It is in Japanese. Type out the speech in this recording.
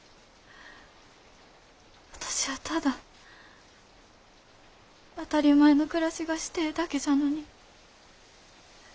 私はただ当たり前の暮らしがしてえだけじゃのに。